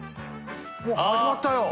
もう始まったよ。